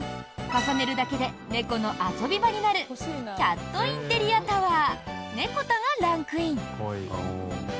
重ねるだけで猫の遊び場になるキャットインテリアタワーＮＥＣＯＴＡがランクイン。